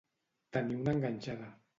Tenir una enganxada.